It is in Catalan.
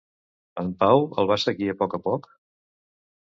En Pau el va seguir a poc a poc?